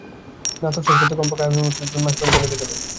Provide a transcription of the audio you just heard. স্নাতক শেষ করতে কমপক্ষে আগামী বছরের জুন মাস পর্যন্ত লেগে যাবে।